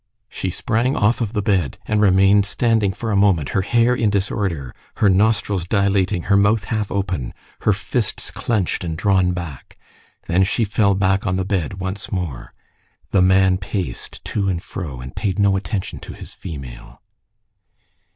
She sprang off of the bed, and remained standing for a moment, her hair in disorder, her nostrils dilating, her mouth half open, her fists clenched and drawn back. Then she fell back on the bed once more. The man paced to and fro and paid no attention to his female.